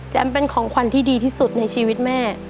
เป็นของขวัญที่ดีที่สุดในชีวิตแม่